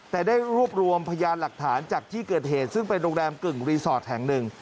แต่ได้รวบรวมพยานหลักฐานจากที่เกิดเหตุซึ่งเป็นโรงแรมกึ่งรีสอร์ทแห่งหนึ่ง